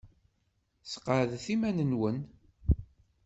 Sqeɛdet iman-nwen.